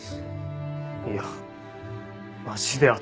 いやマジで頭